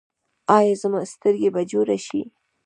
ایا زما سترګې به جوړې شي؟